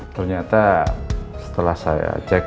ternyata setelah saya cek